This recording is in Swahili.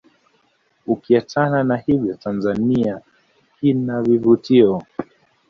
ukiachana na hivyo Tanzania kunavivutio